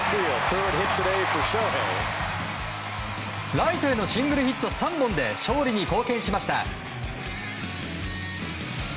ライトへのシングルヒット３本で勝利に貢献しました。